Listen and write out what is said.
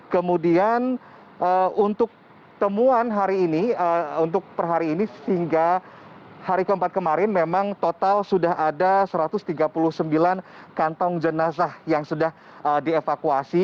kemudian untuk temuan hari ini untuk per hari ini sehingga hari keempat kemarin memang total sudah ada satu ratus tiga puluh sembilan kantong jenazah yang sudah dievakuasi